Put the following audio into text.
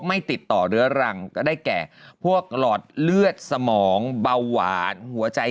ไม่ติดต่อเรื้อรังก็ได้แก่พวกหลอดเลือดสมองเบาหวานหัวใจ